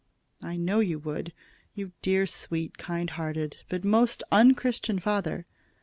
"I know you would, you dear, sweet, kind hearted, but most un Christian, father.